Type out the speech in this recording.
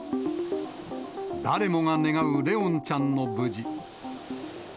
誰もが願う怜音ちゃんの無事。